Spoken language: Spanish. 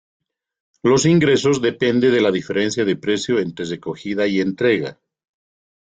Los ingresos depende de la diferencia de precio entre recogida y entrega.